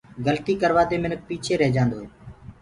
گلتيٚ ڪروآ دي منک پيٚچي رهيجآندو هي۔